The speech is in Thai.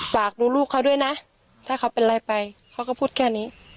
ฝากดูลูกเขาด้วยนะถ้าเขาเป็นอะไรไปเขาก็พูดแค่นี้